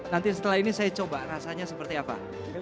nanti setelah ini saya coba rasanya seperti apa